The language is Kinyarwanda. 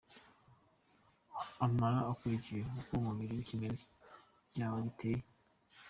Ambara ukurikije uko umubiri nikimero byawe biteye.